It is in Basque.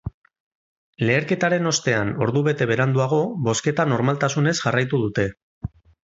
Leherketaren ostean, ordu bete beranduago, bozketa normaltasunez jarraitu dute.